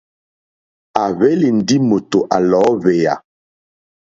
À hwélì ndí mòtò à lɔ̀ɔ́hwèyà.